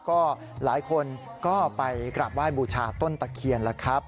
ก็หลายคนก็ไปกราบไหว้บูชาต้นตะเคียนแล้วครับ